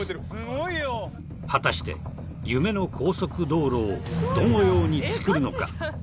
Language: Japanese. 果たして夢の高速道路をどのように造るのか？